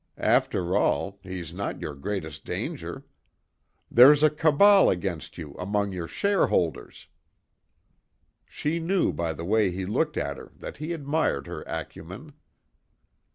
After all, he's not your greatest danger. There's a cabal against you among your shareholders." She knew by the way he looked at her that he admired her acumen.